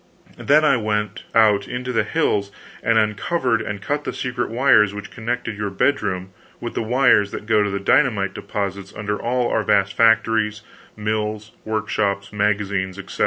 Then I went out into the hills and uncovered and cut the secret wires which connected your bedroom with the wires that go to the dynamite deposits under all our vast factories, mills, workshops, magazines, etc.